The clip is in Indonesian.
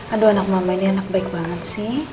aduh anak mama ini enak baik banget sih